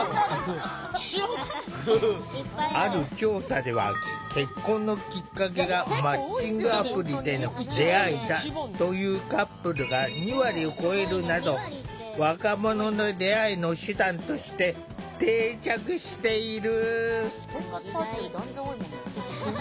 ある調査では結婚のきっかけがマッチングアプリでの出会いだというカップルが２割を超えるなど若者の出会いの手段として定着している。